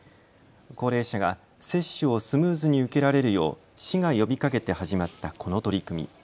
高齢者が接種をスムーズに受けられるよう市が呼びかけて始まったこの取り組み。